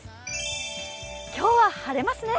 今日は晴れますね。